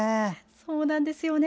そうなんですよね。